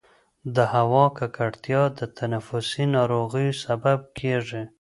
د هوا ککړتیا د تنفسي ناروغیو سبب کېږي.